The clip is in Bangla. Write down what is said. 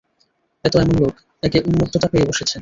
এতো এমন লোক, একে উন্মত্ততা পেয়ে বসেছে।